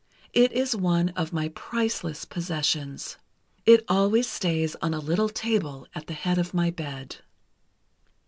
It is one of my priceless possessions. It always stays on a little table at the head of my bed."